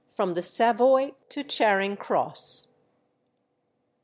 FROM THE SAVOY TO CHARING CROSS.